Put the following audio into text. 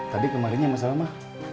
tadi kemarinya sama siapa